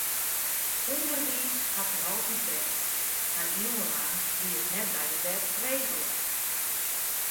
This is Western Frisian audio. Underwiis hat der altyd west, mar iuwenlang wie it net by de wet regele.